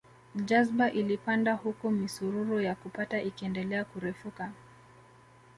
Jazba ilipanda huku misururu ya kupata ikiendelea kurefuka